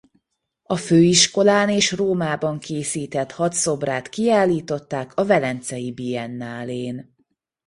A főiskolán és Rómában készített hat szobrát kiállították a Velencei Biennálén.